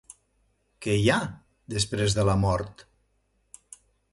Què hi ha després de la mort?